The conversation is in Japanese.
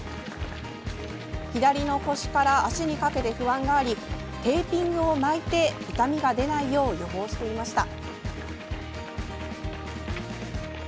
左の腰から足にかけて不安がありテーピングを巻いて痛みが出ないよう予防していました。